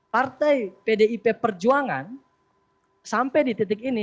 partai pdip perjuangan sampai di titik ini